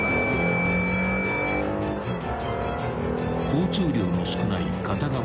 ［交通量の少ない片側